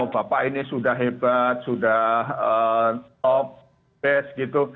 bapak ini sudah hebat sudah top best gitu